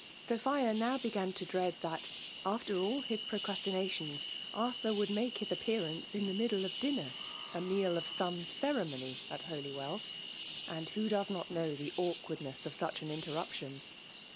^CICALB t>OMlKAT10K. 217 ( Sopbia now began to dread that^ after all his procrastinations^ Arthur Would make his ap pearance: in the middle of dinner, a meal of some ceremony at Holywell ^ ^and who does not know the awkwardness of such an ihter iuption